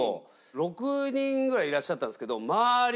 ６人ぐらいいらっしゃったんですけど周り